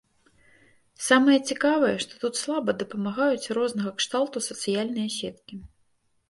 Самае цікавае, што тут слаба дапамагаюць рознага кшталту сацыяльныя сеткі.